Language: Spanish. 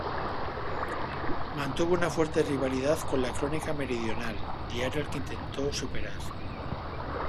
Mantuvo una fuerte rivalidad con "La Crónica Meridional", diario al que intentó superar.